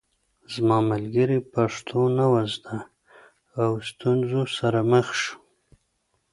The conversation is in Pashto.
زما ملګري پښتو نه وه زده او ستونزو سره مخ شو